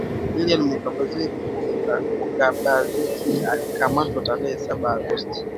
Liliane Mugabekazi alikamatwa tarehe saba Agosti